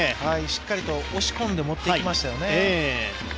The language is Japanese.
しっかりと押し込んで持っていきましたよね。